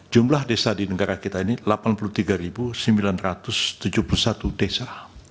jumlah desa di negara kita ini delapan puluh tiga sembilan ratus tujuh puluh satu desa